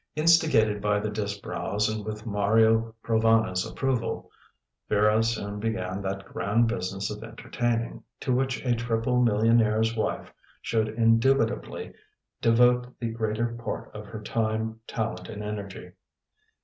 Instigated by the Disbrowes, and with Mario Provana's approval, Vera soon began that grand business of entertaining, to which a triple millionaire's wife should indubitably devote the greater part of her time, talent, and energy.